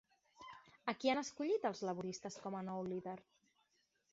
A qui han escollit els laboristes com a nou líder?